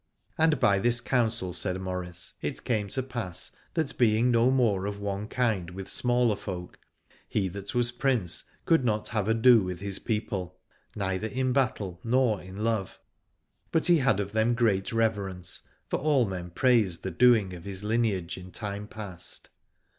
And by this counsel, said Maurice, it came to pass that being no more of one kind with smaller folk, he that was Prince could not have ado with his people, neither in battle nor in love : but he had of them great reverence, for all men praised the doing of his lineage in time past.